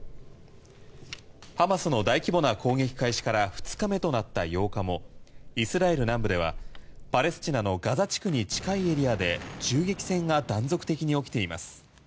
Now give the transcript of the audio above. ハマスの大規模な攻撃開始から２日目となった８日もイスラエル南部ではパレスチナのガザ地区に近いエリアで銃撃戦が断続的に起きています。